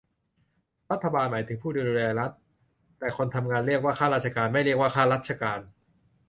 รัฐบาล หมายถึงผู้ดูแลรัฐ แต่คนทำงาน เรียกว่าข้าราชการ ไม่เรียกว่าข้ารัฐการ